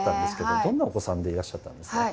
どんなお子さんでいらっしゃったんですか？